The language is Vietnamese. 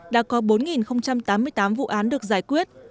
đã có bốn tám mươi tám vụ án được giải quyết